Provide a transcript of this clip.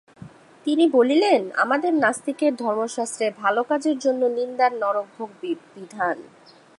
তিনি বলিলেন, আমাদের নাস্তিকের ধর্মশাস্ত্রে ভালো কাজের জন্য নিন্দার নরকভোগ বিধান।